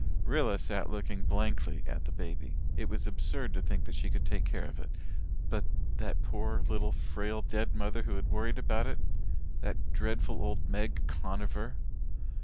Rilla sat looking blankly at the baby. It was absurd to think she could take care of it. But that poor little, frail, dead mother who had worried about it that dreadful old Meg Conover.